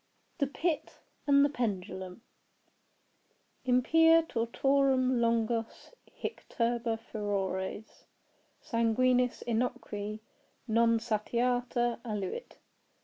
THE PIT AND THE PENDULUM Impia tortorum longos hic turba furores Sanguinis innocui, non satiata, aluit.